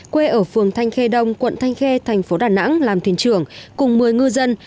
quê ở phường thanh khê đông quận thanh khê thành phố đà nẵng làm thuyền trưởng cùng một mươi ngư dân